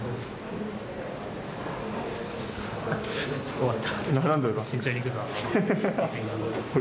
終わった。